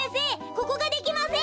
ここができません！